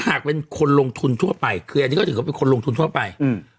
ถ้าอย่างนี้จะถือว่าคนลงทุนทั่วไป